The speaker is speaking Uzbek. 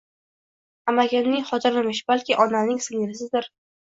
Amakimning xotinimish, balki onamning singlisidir